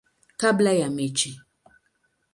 kabla ya mechi.